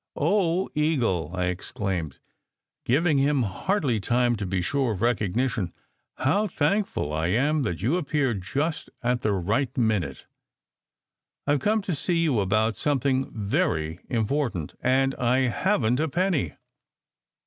"Oh, Eagle!" I exclaimed, giving him hardly time to be sure of recognition. "How thankful I am that you ap peared just at the right minute. I ve come to see you about something very important, and I haven t a penny."